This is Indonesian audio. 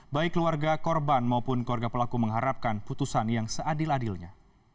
baik keluarga korban maupun keluarga pelaku mengharapkan putusan yang seadil adilnya